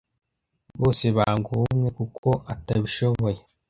bose banga ubumwe kuko atabishoboye